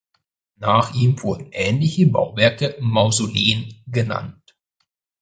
Nach ihm wurden ähnliche Bauwerke „Mausoleen“ genannt.